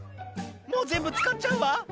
「もう全部使っちゃうわ」